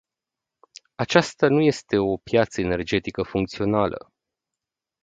Aceasta nu este o piață energetică funcțională.